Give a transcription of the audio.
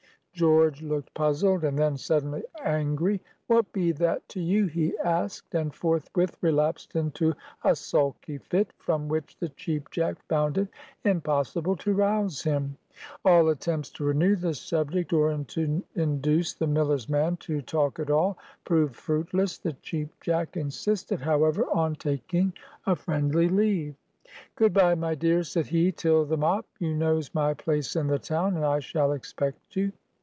George looked puzzled, and then, suddenly, angry. "What be that to you?" he asked, and forthwith relapsed into a sulky fit, from which the Cheap Jack found it impossible to rouse him. All attempts to renew the subject, or to induce the miller's man to talk at all, proved fruitless. The Cheap Jack insisted, however, on taking a friendly leave. "Good by, my dear," said he, "till the mop. You knows my place in the town, and I shall expect you."